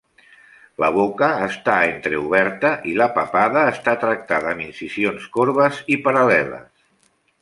La boca està entreoberta i la papada està tractada amb incisions corbes i paral·leles.